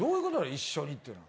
「一緒に」っていうのは。